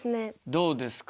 どうですか？